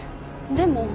でも。